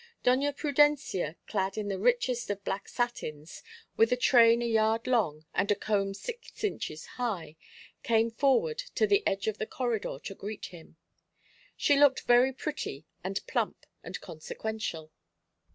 Doña Prudencia, clad in the richest of black satins, with a train a yard long and a comb six inches high, came forward to the edge of the corridor to greet him. She looked very pretty and plump and consequential.